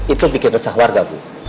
itu bikin resah warga bu